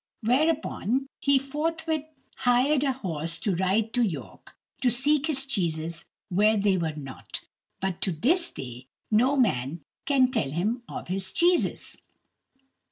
Whereupon he forthwith hired a horse to ride to York, to seek his cheeses where they were not, but to this day no man can tell him of his cheeses.